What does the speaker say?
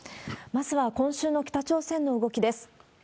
まずは、今週の北朝鮮の動きです。